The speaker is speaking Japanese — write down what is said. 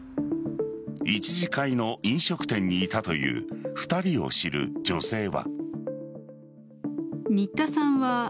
１次会の飲食店にいたという２人を知る女性は。